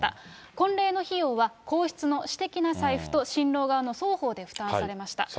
婚礼の費用は、皇室の私的な財布と新郎側の双方で負担されました。